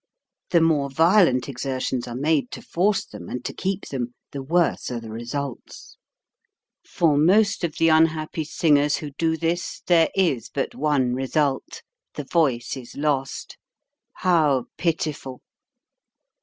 The more violent exertions are made to force them, and to keep them, the worse are the results. For most of the unhappy singers who do this, there is but one result : the voice is lost. How pitiful